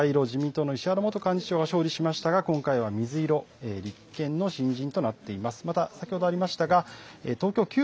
東京の８区ですが前回は、自民党の石原元幹事長が勝利しましたが今回は水色、立憲の新人となっています。